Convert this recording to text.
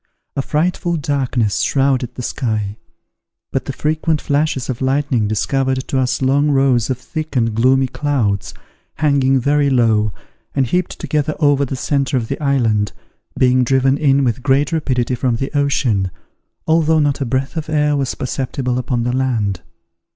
A frightful darkness shrouded the sky; but the frequent flashes of lightning discovered to us long rows of thick and gloomy clouds, hanging very low, and heaped together over the centre of the island, being driven in with great rapidity from the ocean, although not a breath of air was perceptible upon the land.